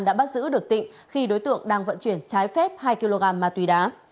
đã bắt giữ được tịnh khi đối tượng đang vận chuyển trái phép hai kg ma túy đá